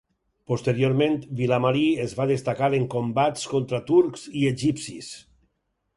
Posteriorment, Vilamarí es va destacar en combats contra turcs i egipcis.